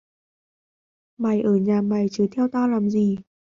Mày ở nhà mày chứ theo tao làm gì